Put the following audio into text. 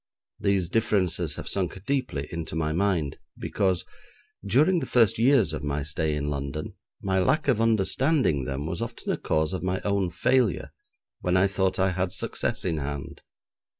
These differences have sunk deeply into my mind, because, during the first years of my stay in London my lack of understanding them was often a cause of my own failure when I thought I had success in hand.